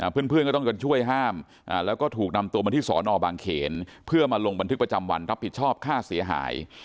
เพื่อนก็ต้องกันช่วยห้ามแล้วก็ถูกนำตัวมาที่สอนอบางเขนเพื่อมาลงบันทึกประจำวันรับผิดชอบค่าเสียหาย